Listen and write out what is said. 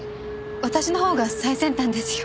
私のほうが最先端ですよ。